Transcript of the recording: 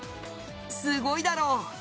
すごいだろ！